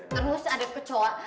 terus ada kecoa